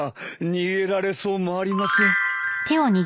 逃げられそうもありません。